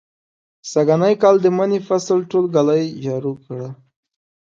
سږنی کال د مني فصل ټول ږلۍ جارو کړ.